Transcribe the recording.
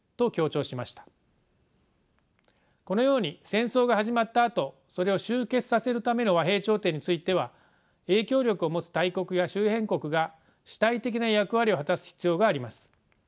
このように戦争が始まったあとそれを終結させるための和平調停については影響力を持つ大国や周辺国が主体的な役割を果たす必要があります。